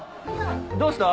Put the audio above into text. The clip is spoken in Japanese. どうした？